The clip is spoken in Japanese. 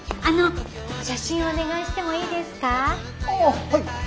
ああはい。